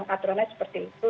aturannya seperti itu